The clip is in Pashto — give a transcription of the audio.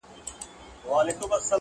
• که ستا چيري اجازه وي محترمه,